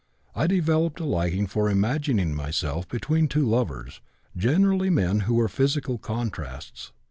I developed a liking for imagining myself between two lovers, generally men who were physical contrasts.